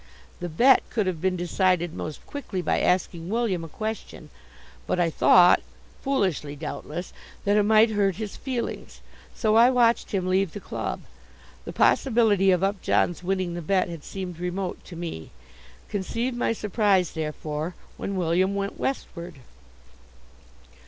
The bet could have been decided most quickly by asking William a question, but I thought, foolishly doubtless, that it might hurt his feelings, so I watched him leave the club. The possibility of Upjohn's winning the bet had seemed remote to me. Conceive my surprise, therefore, when William went westward.